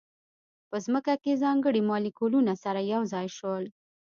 په ځمکه کې ځانګړي مالیکولونه سره یو ځای شول.